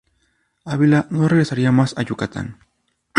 Ávila no regresaría más a Yucatán.